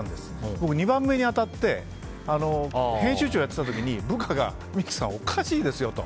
僕、２番目に当たって編集長をやってた時に部下が三木さん、おかしいですよと。